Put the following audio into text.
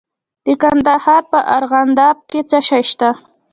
د کندهار په ارغنداب کې څه شی شته؟